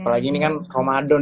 apalagi ini kan ramadan